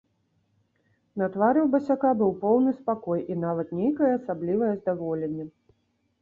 На твары ў басяка быў поўны спакой і нават нейкае асаблівае здаволенне.